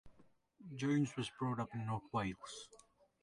Jones was brought up in North Wales.